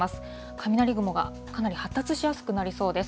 雷雲がかなり発達しやすくなりそうです。